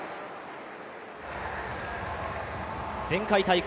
前回大会